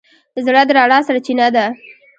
زړه د رڼا سرچینه ده.